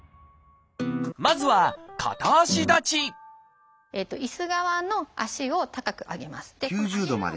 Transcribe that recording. まずはいす側の足を高く上げます。